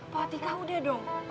poatika udah dong